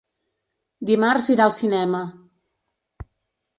Dimarts irà al cinema.